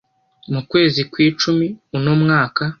mu kwezi kw'icumi uno mwaka